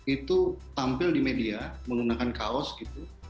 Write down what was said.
itu tampil di media menggunakan kaos gitu